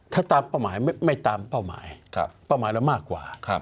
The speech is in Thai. ถ้าตามเป้าหมายไม่ตามเป้าหมายเป้าหมายเรามากกว่า